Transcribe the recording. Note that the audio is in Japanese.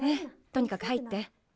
とにかく入って。